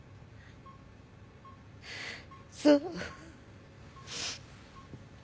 そう。